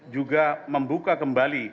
juga membuka kembali